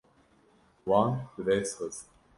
Wan bi dest xist.